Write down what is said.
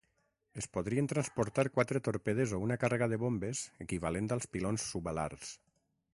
Es podrien transportar quatre torpedes o una càrrega de bombes equivalent als pilons subalars.